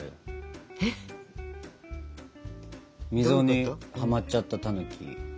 溝にハマっちゃったたぬき。